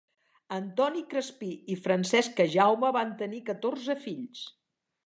Antoni Crespí i Francesca Jaume van tenir catorze fills.